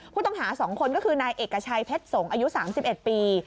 ผู้ต้องหา๒คนก็คือนายเอกชัยเพชรสงศ์อายุ๓๑ปี